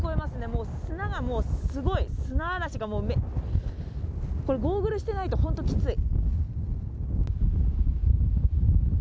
もう砂がすごい、砂嵐が、これ、ゴーグルしてないと本当きつい。